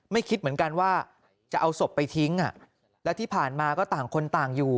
คิดเหมือนกันว่าจะเอาศพไปทิ้งแล้วที่ผ่านมาก็ต่างคนต่างอยู่